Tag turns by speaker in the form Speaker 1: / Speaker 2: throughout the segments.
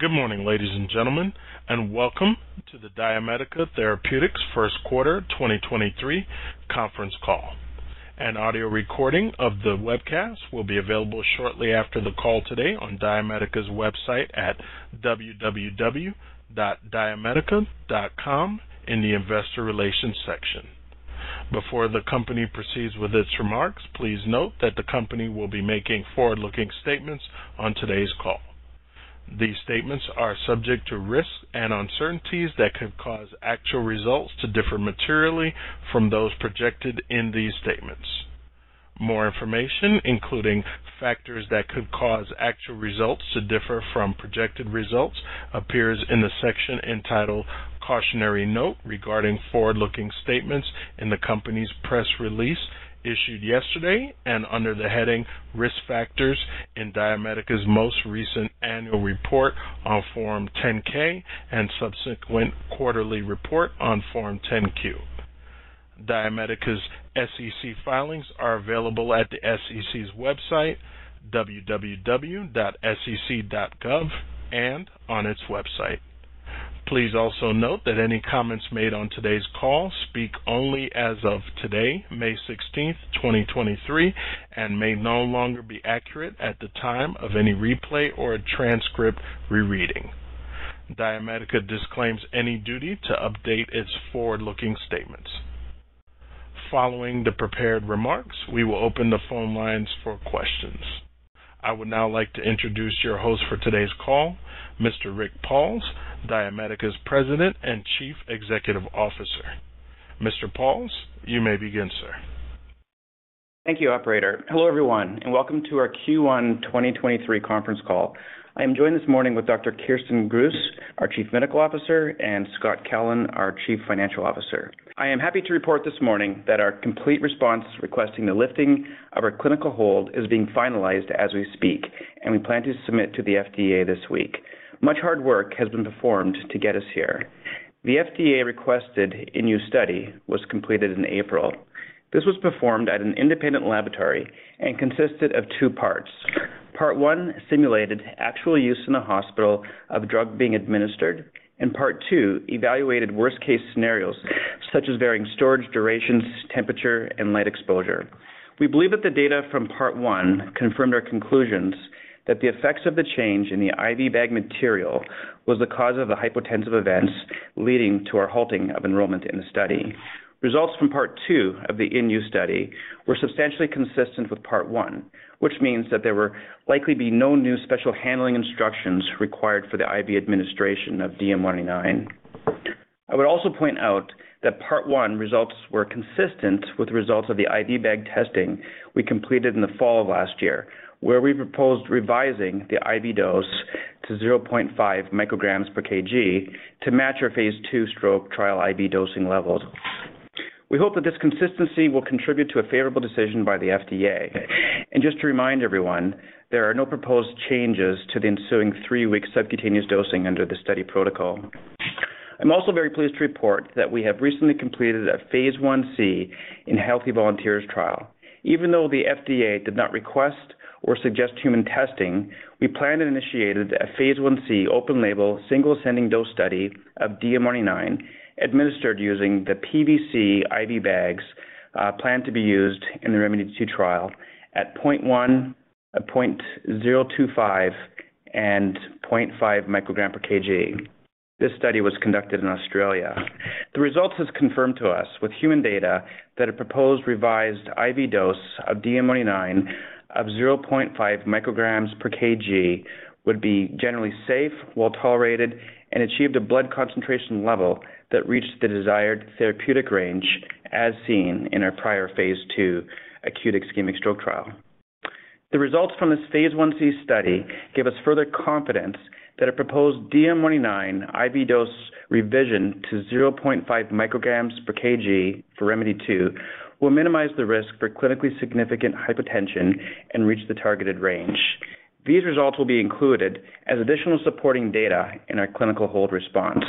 Speaker 1: Good morning, ladies and gentlemen, and welcome to the DiaMedica Therapeutics First Quarter 2023 Conference Call. An audio recording of the webcast will be available shortly after the call today on DiaMedica's website at www.diamedica.com in the Investor Relations section. Before the company proceeds with its remarks, please note that the company will be making forward-looking statements on today's call. These statements are subject to risks and uncertainties that could cause actual results to differ materially from those projected in these statements. More information, including factors that could cause actual results to differ from projected results, appears in the section entitled Cautionary Note regarding forward-looking statements in the company's press release issued yesterday and under the heading Risk Factors in DiaMedica's most recent annual report on Form 10-K and subsequent quarterly report on Form 10-Q. DiaMedica's SEC filings are available at the SEC's website, www.sec.gov, and on its website. Please also note that any comments made on today's call speak only as of today, May 16th, 2023, and may no longer be accurate at the time of any replay or transcript rereading. DiaMedica disclaims any duty to update its forward-looking statements. Following the prepared remarks, we will open the phone lines for questions. I would now like to introduce your host for today's call, Mr. Rick Pauls, DiaMedica's President and Chief Executive Officer. Mr. Pauls, you may begin, sir.
Speaker 2: Thank you, operator. Hello, everyone, and welcome to our Q1 2023 conference call. I am joined this morning with Dr. Kirsten Gruis, our Chief Medical Officer, and Scott Kellen, our Chief Financial Officer. I am happy to report this morning that our complete response requesting the lifting of our clinical hold is being finalized as we speak, and we plan to submit to the FDA this week. Much hard work has been performed to get us here. The FDA requested in new study was completed in April. This was performed at an independent laboratory and consisted of two parts. Part one simulated actual use in the hospital of drug being administered, and part two evaluated worst case scenarios such as varying storage durations, temperature, and light exposure. We believe that the data from part one confirmed our conclusions that the effects of the change in the IV bag material was the cause of the hypotensive events leading to our halting of enrollment in the study. Results from part two of the in-use stability study were substantially consistent with part one, which means that there will likely be no new special handling instructions required for the IV administration of DM199. I would also point out that part one results were consistent with the results of the IV bag testing we completed in the fall of last year, where we proposed revising the IV dose to 0.5 mcg/kg to match our phase II stroke trial IV dosing levels. We hope that this consistency will contribute to a favorable decision by the FDA. Just to remind everyone, there are no proposed changes to the ensuing three-week subcutaneous dosing under the study protocol. I'm also very pleased to report that we have recently completed a phase I-C in healthy volunteers trial. Even though the FDA did not request or suggest human testing, we planned and initiated a phase I-C open label single ascending dose study of DM199 administered using the PVC IV bags, planned to be used in the ReMEDy2 trial at 0.1 mcg/kg, at 0.025 mcg/kg, and 0.5 mcg/kg. This study was conducted in Australia. The results has confirmed to us with human data that a proposed revised IV dose of DM199 of 0.5 mcg/kg would be generally safe, well tolerated, and achieved a blood concentration level that reached the desired therapeutic range as seen in our prior phase II acute ischemic stroke trial. The results from this phase I-C study give us further confidence that a proposed DM199 IV dose revision to 0.5 mcg/kg for ReMEDy2 will minimize the risk for clinically significant hypotension and reach the targeted range. These results will be included as additional supporting data in our clinical hold response.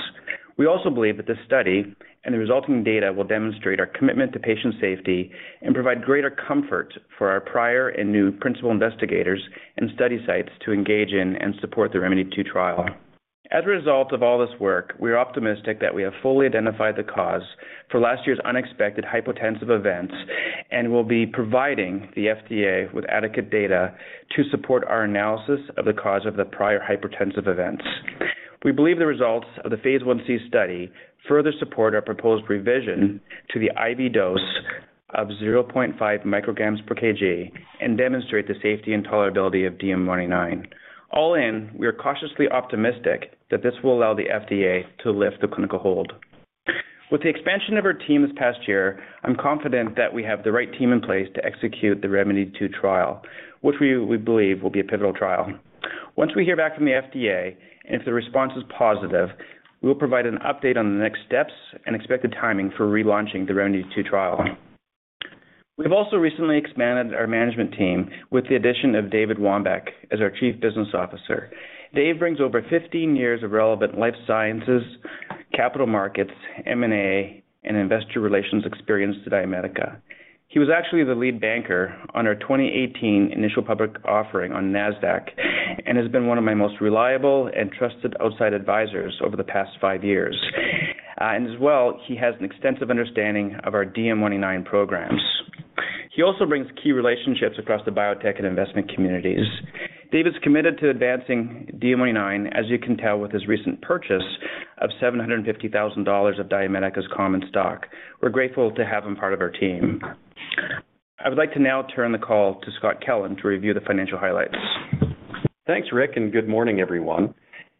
Speaker 2: We also believe that this study and the resulting data will demonstrate our commitment to patient safety and provide greater comfort for our prior and new principal investigators and study sites to engage in and support the ReMEDy2 trial. As a result of all this work, we are optimistic that we have fully identified the cause for last year's unexpected hypotensive events and will be providing the FDA with adequate data to support our analysis of the cause of the prior hypertensive events. We believe the results of the phase I-C study further support our proposed revision to the IV dose of 0.5 mcg/kg and demonstrate the safety and tolerability of DM199. All in, we are cautiously optimistic that this will allow the FDA to lift the clinical hold. With the expansion of our team this past year, I'm confident that we have the right team in place to execute the ReMEDy2 trial, which we believe will be a pivotal trial. Once we hear back from the FDA, and if the response is positive, we will provide an update on the next steps and expected timing for relaunching the ReMEDy2 trial. We've also recently expanded our management team with the addition of David Wambeke as our Chief Business Officer. Dave brings over 15 years of relevant life sciences capital markets, M&A, and investor relations experience to DiaMedica. He was actually the lead banker on our 2018 initial public offering on Nasdaq and has been one of my most reliable and trusted outside advisors over the past five years. As well, he has an extensive understanding of our DM199 programs. He also brings key relationships across the biotech and investment communities. Dave is committed to advancing DM199, as you can tell, with his recent purchase of $750,000 of DiaMedica's common stock. We're grateful to have him part of our team. I would like to now turn the call to Scott Kellen to review the financial highlights.
Speaker 3: Thanks, Rick, and good morning, everyone.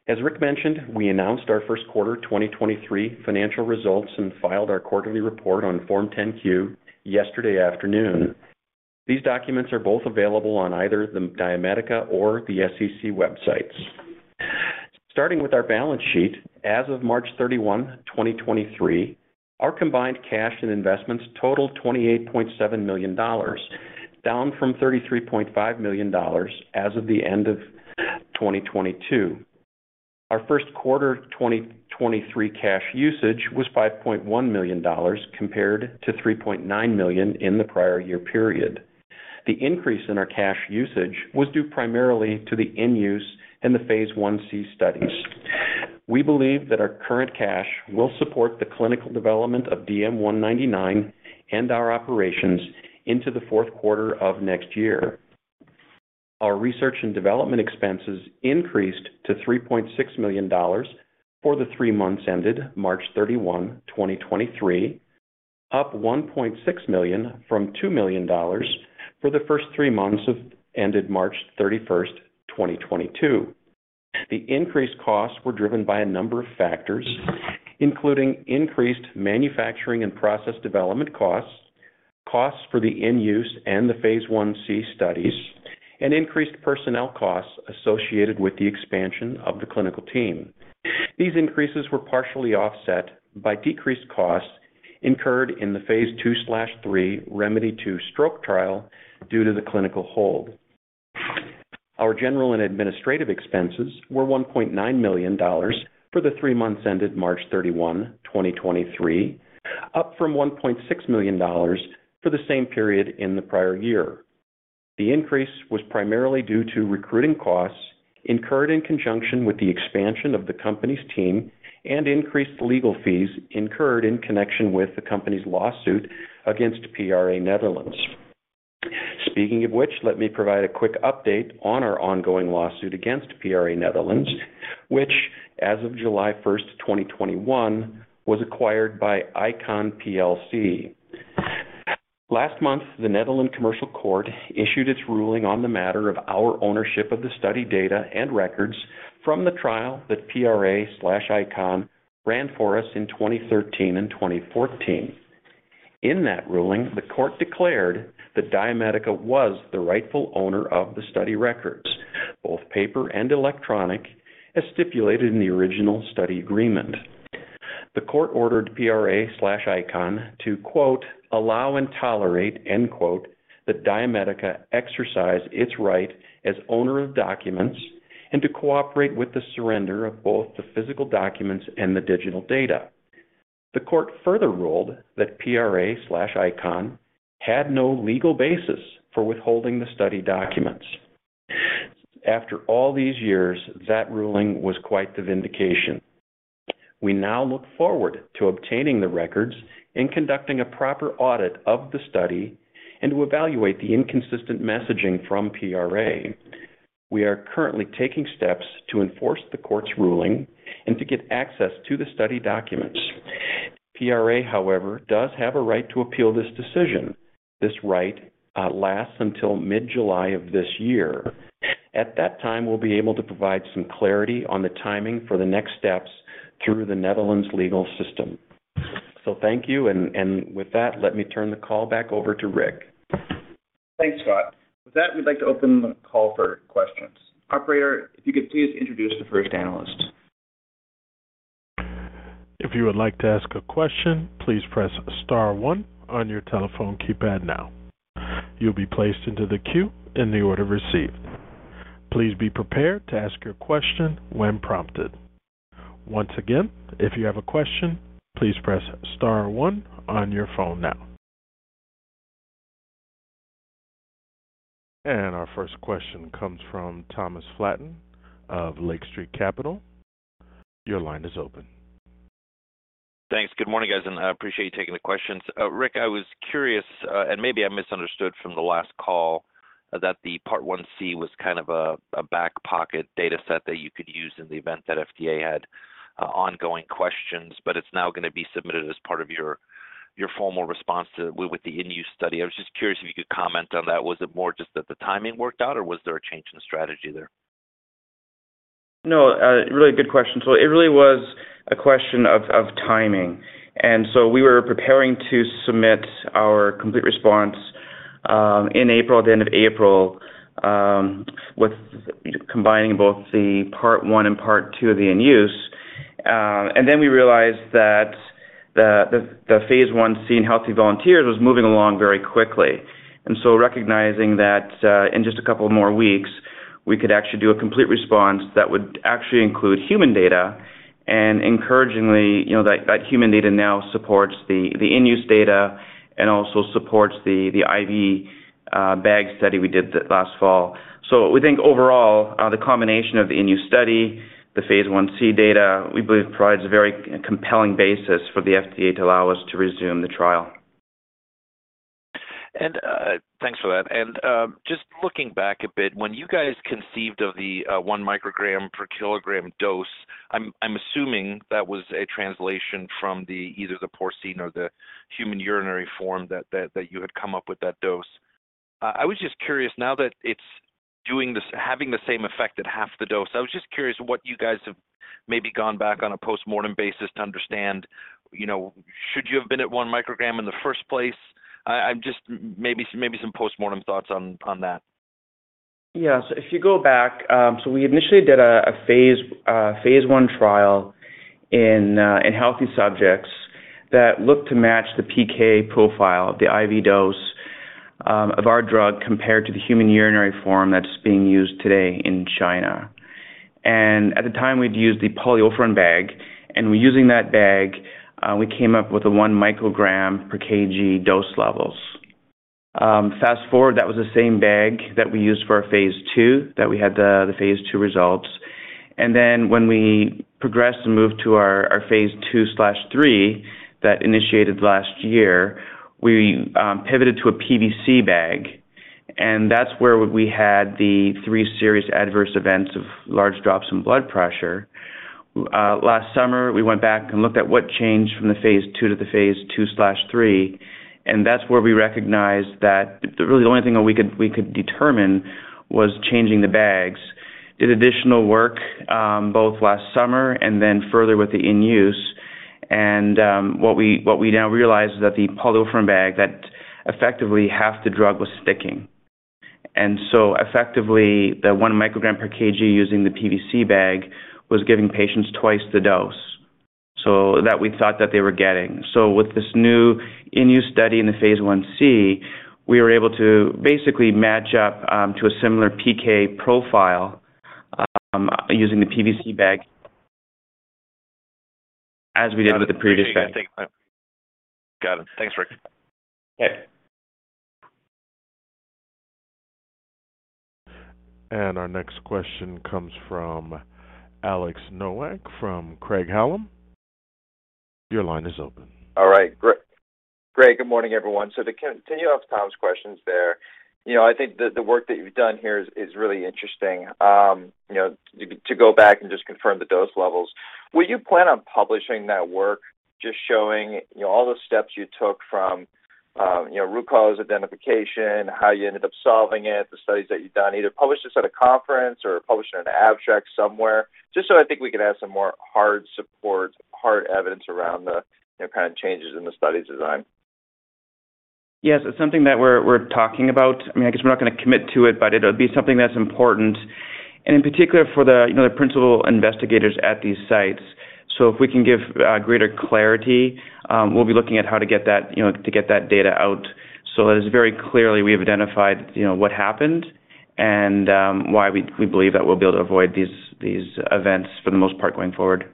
Speaker 3: As Rick mentioned, we announced our first quarter 2023 financial results and filed our quarterly report on Form 10-Q yesterday afternoon. These documents are both available on either the DiaMedica or the SEC websites. Starting with our balance sheet, as of March 31, 2023, our combined cash and investments totaled $28.7 million, down from $33.5 million as of the end of 2022. Our first quarter 2023 cash usage was $5.1 million compared to $3.9 million in the prior year period. The increase in our cash usage was due primarily to the in-use in the phase I-C studies. We believe that our current cash will support the clinical development of DM199 and our operations into the fourth quarter of next year. Our research and development expenses increased to $3.6 million for the three months ended March 31, 2023, up $1.6 million from $2 million for the first three months of ended March 31, 2022. The increased costs were driven by a number of factors, including increased manufacturing and process development costs for the in-use and the phase I-C studies, and increased personnel costs associated with the expansion of the clinical team. These increases were partially offset by decreased costs incurred in the phase II/III ReMEDy2 stroke trial due to the clinical hold. Our general and administrative expenses were $1.9 million for the three months ended March 31, 2023, up from $1.6 million for the same period in the prior year. The increase was primarily due to recruiting costs incurred in conjunction with the expansion of the company's team and increased legal fees incurred in connection with the company's lawsuit against PRA Netherlands. Speaking of which, let me provide a quick update on our ongoing lawsuit against PRA Netherlands, which as of July 1, 2021, was acquired by ICON plc. Last month, the Netherlands Commercial Court issued its ruling on the matter of our ownership of the study data and records from the trial that PRA/ICON ran for us in 2013 and 2014. In that ruling, the court declared that DiaMedica was the rightful owner of the study records, both paper and electronic, as stipulated in the original study agreement. The court ordered PRA/ICON to quote, allow and tolerate, end quote, that DiaMedica exercise its right as owner of documents and to cooperate with the surrender of both the physical documents and the digital data. The court further ruled that PRA/ICON had no legal basis for withholding the study documents. After all these years, that ruling was quite the vindication. We now look forward to obtaining the records and conducting a proper audit of the study and to evaluate the inconsistent messaging from PRA. We are currently taking steps to enforce the court's ruling and to get access to the study documents. PRA, however, does have a right to appeal this decision. This right lasts until mid-July of this year. At that time, we'll be able to provide some clarity on the timing for the next steps through the Netherlands legal system. Thank you, and with that, let me turn the call back over to Rick.
Speaker 2: Thanks, Scott. With that, we'd like to open the call for questions. Operator, if you could please introduce the first analyst.
Speaker 1: If you would like to ask a question, please press star one on your telephone keypad now. You'll be placed into the queue in the order received. Please be prepared to ask your question when prompted. Once again, if you have a question, please press star one on your phone now. Our first question comes from Thomas Flaten of Lake Street Capital. Your line is open.
Speaker 4: Thanks. Good morning, guys. I appreciate you taking the questions. Rick, I was curious, maybe I misunderstood from the last call that the phase I-C was kind of a back pocket data set that you could use in the event that FDA had ongoing questions, but it's now gonna be submitted as part of your formal response with the in-use study. I was just curious if you could comment on that. Was it more just that the timing worked out, or was there a change in strategy there?
Speaker 2: No, a really good question. It really was a question of timing. We were preparing to submit our complete response in April, at the end of April, with combining both the part one and part two of the in-use. We realized that the phase I-C in healthy volunteers was moving along very quickly. Recognizing that, in just a couple more weeks. We could actually do a complete response that would actually include human data and encouragingly, you know, that human data now supports the in-use data and also supports the IV bag study we did last fall. We think overall, the combination of the in-use study, the phase I-C data, we believe provides a very compelling basis for the FDA to allow us to resume the trial.
Speaker 4: Thanks for that. Just looking back a bit, when you guys conceived of the 1 mcg/kg dose, I'm assuming that was a translation from the either the porcine or the human urinary form that you had come up with that dose. I was just curious now that it's doing this, having the same effect at half the dose, I was just curious what you guys have maybe gone back on a postmortem basis to understand, you know, should you have been at 1 mcg in the first place? I'm just maybe some postmortem thoughts on that.
Speaker 2: Yes. If you go back, we initially did a phase I trial in healthy subjects that looked to match the PK profile of the IV dose, of our drug compared to the human urinary form that's being used today in China. At the time, we'd used the polyolefin bag, and we're using that bag, we came up with a 1 mcg/kg dose levels. Fast-forward, that was the same bag that we used for our phase II, that we had the phase II results. Then when we progressed and moved to our phase II/III that initiated last year, we pivoted to a PVC bag, and that's where we had the three serious adverse events of large drops in blood pressure. Last summer, we went back and looked at what changed from the phase II to the phase II/III, and that's where we recognized that really the only thing that we could determine was changing the bags. Did additional work, both last summer and then further with the in-use. What we now realize is that the polyolefin bag that effectively half the drug was sticking. Effectively, the 1 mcg/kg using the PVC bag was giving patients twice the dose, so that we thought that they were getting. With this new in-use study in the phase I-C, we were able to basically match up to a similar PK profile using the PVC bag as we did with the previous bag.
Speaker 4: Got it. Thanks, Rick.
Speaker 2: Yeah.
Speaker 1: Our next question comes from Alex Nowak from Craig-Hallum. Your line is open.
Speaker 5: All right. Rick, good morning, everyone. To continue off Tom's questions there, you know, I think the work that you've done here is really interesting. You know, to go back and just confirm the dose levels, will you plan on publishing that work, just showing, you know, all the steps you took from, you know, root cause identification, how you ended up solving it, the studies that you've done, either publish this at a conference or publish it in an abstract somewhere, just so I think we can have some more hard support, hard evidence around the, you know, kind of changes in the study design?
Speaker 2: Yes, it's something that we're talking about. I mean, I guess we're not gonna commit to it, but it'll be something that's important. In particular for the, you know, the principal investigators at these sites. If we can give greater clarity, we'll be looking at how to get that, you know, to get that data out. It is very clearly we have identified, you know, what happened and why we believe that we'll be able to avoid these events for the most part going forward.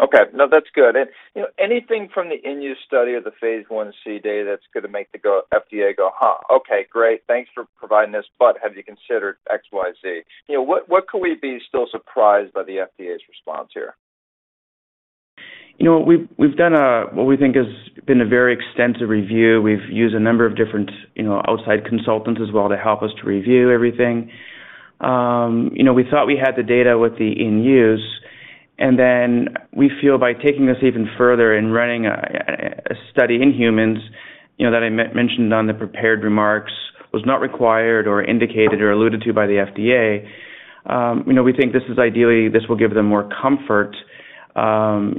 Speaker 5: Okay. No, that's good. You know, anything from the in-use stability study or the phase I-C data that's gonna make the FDA go, huh, okay, great. Thanks for providing this, but have you considered X, Y, Z? You know, what could we be still surprised by the FDA's response here?
Speaker 2: You know what, we've done a, what we think has been a very extensive review. We've used a number of different, you know, outside consultants as well to help us to review everything. You know, we thought we had the data with the in-use, we feel by taking this even further and running a study in humans, you know, that I mentioned on the prepared remarks, was not required or indicated or alluded to by the FDA. You know, we think this is ideally, this will give them more comfort, you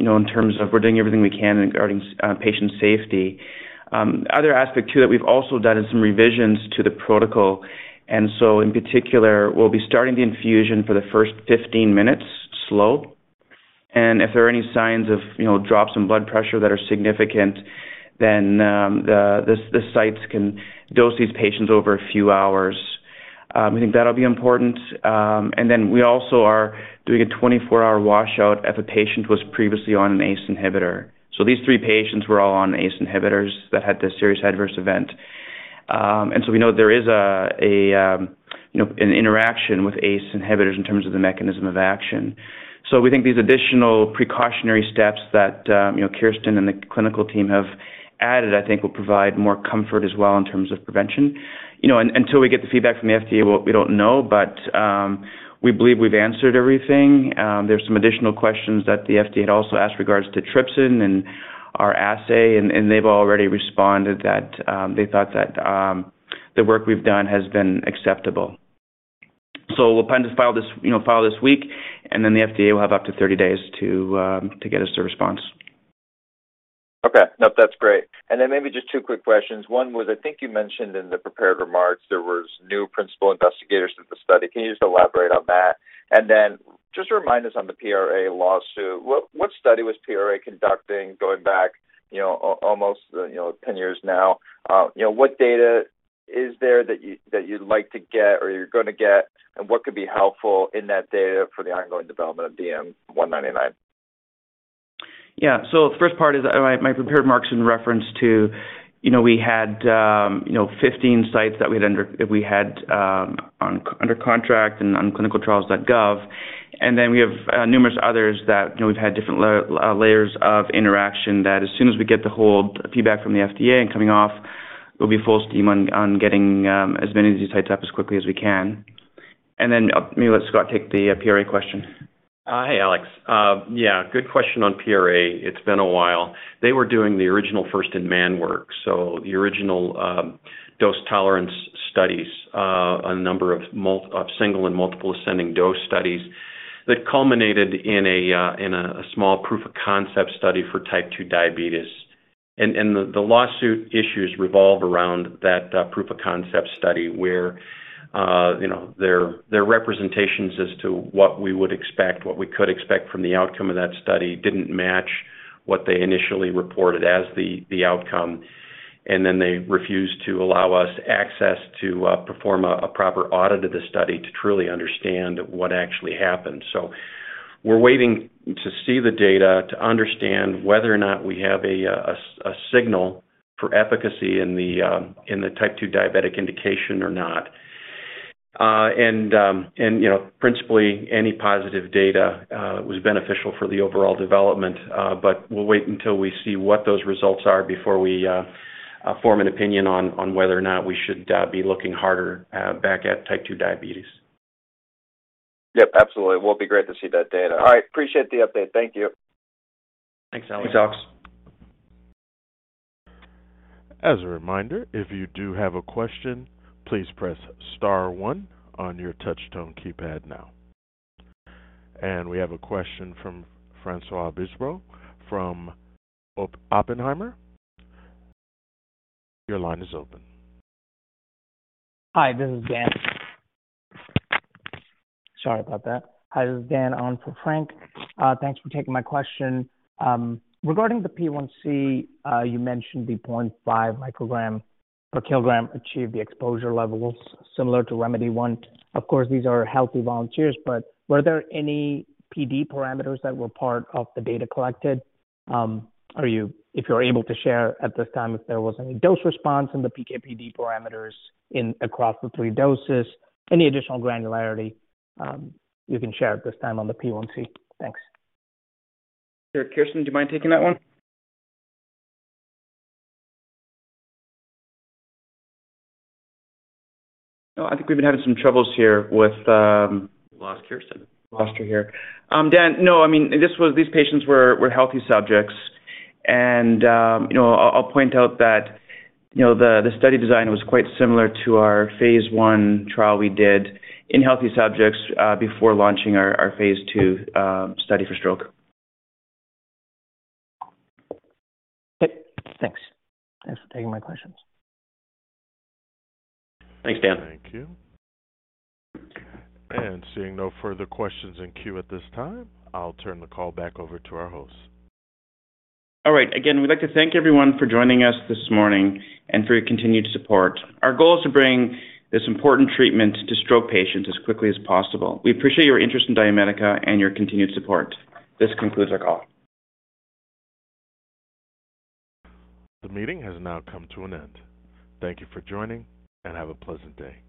Speaker 2: know, in terms of we're doing everything we can regarding patient safety. Other aspect too that we've also done is some revisions to the protocol. In particular, we'll be starting the infusion for the first 15 minutes slow. If there are any signs of, you know, drops in blood pressure that are significant, then the sites can dose these patients over a few hours. I think that'll be important. We also are doing a 24-hour washout if a patient was previously on an ACE inhibitor. These three patients were all on ACE inhibitors that had this serious adverse event. We know there is, you know, an interaction with ACE inhibitors in terms of the mechanism of action. We think these additional precautionary steps that, you know, Kirsten and the clinical team have added, I think, will provide more comfort as well in terms of prevention. You know, until we get the feedback from the FDA, we don't know, but we believe we've answered everything. There's some additional questions that the FDA had also asked regards to trypsin and our assay, and they've already responded that, they thought that, the work we've done has been acceptable. We'll plan to file this, you know, file this week, and then the FDA will have up to 30 days to get us a response.
Speaker 5: Okay. Nope, that's great. Maybe just two quick questions. One was, I think you mentioned in the prepared remarks, there was new principal investigators of the study. Can you just elaborate on that? Just remind us on the PRA lawsuit, what study was PRA conducting going back? You know, almost, you know, 10 years now. You know, what data is there that you'd like to get or you're gonna get, and what could be helpful in that data for the ongoing development of DM199?
Speaker 2: Yeah. The first part is my prepared remarks in reference to, you know, we had, you know, 15 sites that we had under contract and on ClinicalTrials.gov. We have numerous others that, you know, we've had different layers of interaction that as soon as we get the whole feedback from the FDA and coming off, we'll be full steam on getting as many of these sites up as quickly as we can. Maybe let Scott take the PRA question.
Speaker 3: Hi, Alex. Yeah, good question on PRA. It's been a while. They were doing the original first-in-man work, so the original dose tolerance studies, a number of single and multiple ascending dose studies that culminated in a small proof of concept study for type 2 diabetes. The lawsuit issues revolve around that proof of concept study where, you know, their representations as to what we would expect, what we could expect from the outcome of that study didn't match what they initially reported as the outcome. They refused to allow us access to perform a proper audit of the study to truly understand what actually happened. We're waiting to see the data to understand whether or not we have a signal for efficacy in the type 2 diabetic indication or not. You know, principally, any positive data was beneficial for the overall development. We'll wait until we see what those results are before we form an opinion on whether or not we should be looking harder back at type 2 diabetes.
Speaker 5: Yep, absolutely. It'll be great to see that data. All right, appreciate the update. Thank you.
Speaker 3: Thanks, Alex.
Speaker 2: Thanks, Alex.
Speaker 1: As a reminder, if you do have a question, please press star one on your touch tone keypad now. We have a question from François Brisebois from Oppenheimer & Co Inc. Your line is open.
Speaker 6: Hi, this is Dan. Sorry about that. Hi, this is Dan on for Frank. Thanks for taking my question. Regarding the phase I-C, you mentioned the 0.5 mcg/kg achieved the exposure levels similar to ReMEDy1. Of course, these are healthy volunteers, were there any PD parameters that were part of the data collected? If you're able to share at this time if there was any dose response in the PK/PD parameters in across the three doses, any additional granularity, you can share at this time on the phase I-C. Thanks.
Speaker 2: Sure. Kirsten, do you mind taking that one? No, I think we've been having some troubles here with.
Speaker 3: We lost Kirsten.
Speaker 2: Lost her here. Dan, no, I mean, this was, these patients were healthy subjects. You know, I'll point out that, you know, the study design was quite similar to our phase I trial we did in healthy subjects, before launching our phase II study for stroke.
Speaker 6: Okay, thanks. Thanks for taking my questions.
Speaker 2: Thanks, Dan.
Speaker 1: Thank you. Seeing no further questions in queue at this time, I'll turn the call back over to our host.
Speaker 2: All right. Again, we'd like to thank everyone for joining us this morning and for your continued support. Our goal is to bring this important treatment to stroke patients as quickly as possible. We appreciate your interest in DiaMedica and your continued support. This concludes our call.
Speaker 1: The meeting has now come to an end. Thank you for joining, and have a pleasant day.